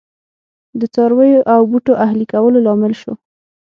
د څارویو او بوټو اهلي کولو لامل شو